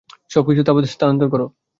সবকিছু তাঁবুতে স্থানান্তর করো।